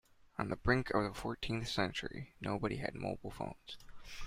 On the brink of the fourteenth century, nobody had mobile phones.